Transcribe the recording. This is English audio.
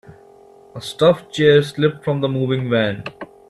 A stuffed chair slipped from the moving van.